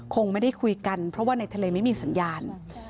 คงไม่ได้คุยกันเพราะว่าในทะเลไม่มีสัญญาณ